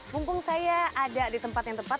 mumpung saya ada di tempat yang tepat